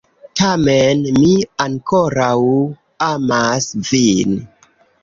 Tamen, mi ankoraŭ amas vin.